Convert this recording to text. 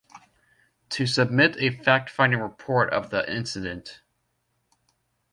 To submit a fact-finding report of the incident.